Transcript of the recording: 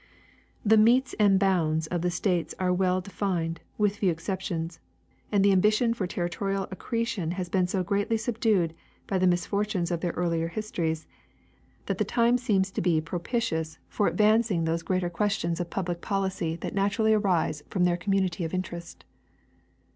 The metes and bounds of the states are well de fined, with few exce23tions, and the ambition for territorial accre tion has been so greatly subdued by the misfortunes of their earlier histories, that the time seems to be propitious for aclvanc 36 Herbert G. Oejden — Geof/raplnj of the Laud. ing those greater questions of public policy that naturally arise from their community of interests.